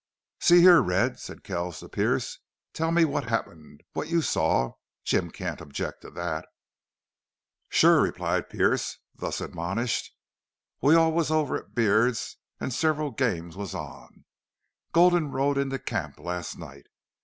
"See here, Red," said Kells to Pearce, "tell me what happened what you saw. Jim can't object to that." "Sure," replied Pearce, thus admonished. "We was all over at Beard's an' several games was on. Gulden rode into camp last night.